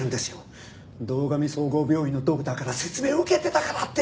堂上総合病院のドクターから説明を受けてたからって！